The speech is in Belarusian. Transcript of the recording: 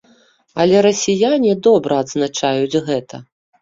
Але расіяне добра адзначаюць гэта.